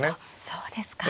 そうですか。